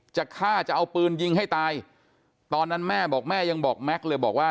จะฆ่าจะเอาปืนยิงให้ตายตอนนั้นแม่บอกแม่ยังบอกแม็กซ์เลยบอกว่า